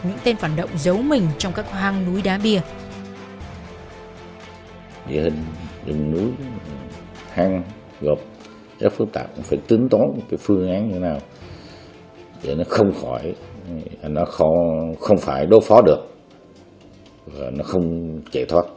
một trận đánh vào xa huyệt những tên phản động giấu mình trong các hang núi đá bia